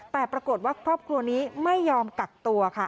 แต่ปรากฏว่าครอบครัวนี้ไม่ยอมกักตัวค่ะ